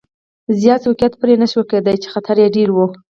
زیات سوقیات پرې نه شوای کېدای چې خطر یې ډېر و.